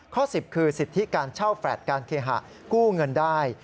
๑๐คือสิทธิการเช่าแฟลตการเคหะกู้เงินได้